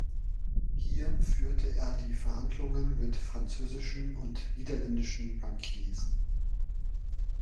Hier führte er die Verhandlungen mit französischen und niederländischen Bankiers.